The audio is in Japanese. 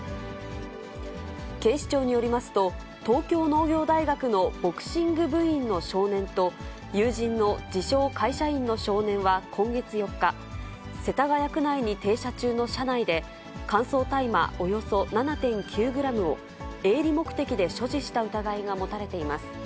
警視庁によりますと、東京農業大学のボクシング部員の少年と、友人の自称会社員の少年は今月４日、世田谷区内に停車中の車内で、乾燥大麻およそ７．９グラムを営利目的で所持した疑いが持たれています。